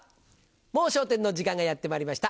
『もう笑点』の時間がやってまいりました。